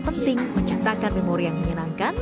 penting menciptakan memori yang menyenangkan